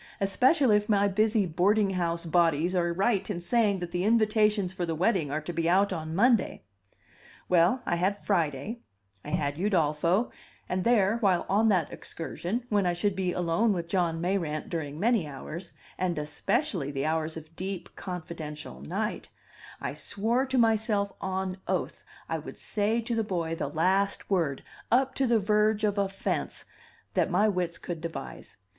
"Especially if my busy boarding house bodies are right in saying that the invitations for the wedding are to be out on Monday." Well, I had Friday, I had Udolpho; and there, while on that excursion, when I should be alone with John Mayrant during many hours, and especially the hours of deep, confidential night, I swore to myself on oath I would say to the boy the last word, up to the verge of offense, that my wits could devise.